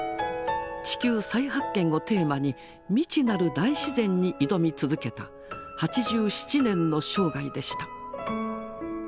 「地球再発見」をテーマに未知なる大自然に挑み続けた８７年の生涯でした。